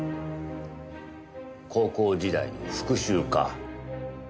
高校時代の復讐か？